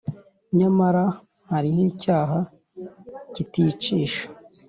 nyamara hariho icyaha kiticisha.